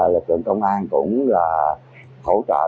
lực lượng công an cũng là hỗ trợ